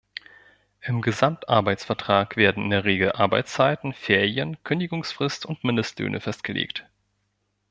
Im Gesamtarbeitsvertrag werden in der Regel Arbeitszeiten, Ferien, Kündigungsfrist und Mindestlöhne festgelegt.